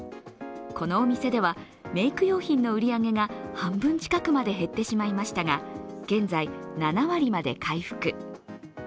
このお店では、メイク用品の売り上げが半分近くまで減ってしまいましたが現在７割まで回復。